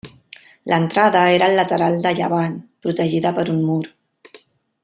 L'entrada era al lateral de llevant, protegida per un mur.